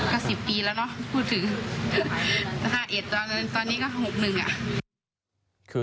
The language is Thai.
ก็๑๐ปีแล้วเนอะก็ถือ